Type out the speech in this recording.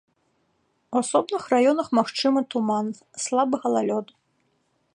У асобных раёнах магчымы туман, слабы галалёд.